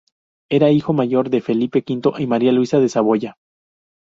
Era el hijo mayor de Felipe V y María Luisa de Saboya.